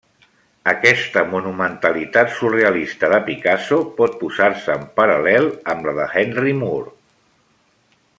Aquesta monumentalitat surrealista de Picasso pot posar-se en paral·lel amb la de Henry Moore.